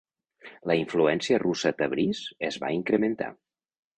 La influència russa a Tabriz es va incrementar.